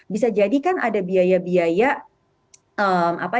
bisa jadi kan ada biaya biaya